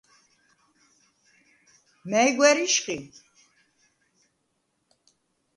მა̈ჲ გვა̈რიშ ხი?